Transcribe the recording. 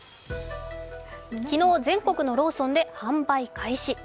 昨日、全国のローソンで販売開始。